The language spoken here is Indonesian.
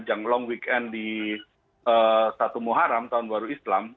yang long weekend di satu muharam tahun baru islam